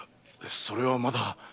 それはまだ。